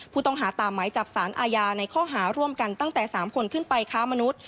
ผู้ต้องหาตามหมายจับสารอาญาในข้อหาร่วมกันตั้งแต่๓คนขึ้นไปค้ามนุษย